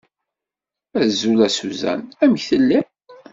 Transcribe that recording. Azul a Susan. Amek telliḍ?